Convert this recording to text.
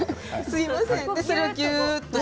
すみません。